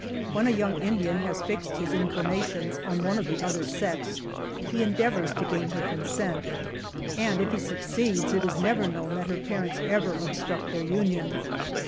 When a young Indian has fixed his inclinations on one of the other sex, he endeavors to gain her consent; and if ho succeeds, it is never known that her parents ever obstruct their union.